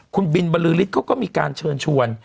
คุณบิลบรือริฐก็มีการเชิญชวน